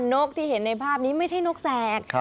นกที่เห็นในภาพนี้ไม่ใช่นกแสก